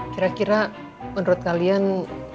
kira kira menurut kalian